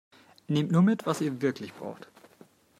Nehmt nur mit, was ihr wirklich braucht!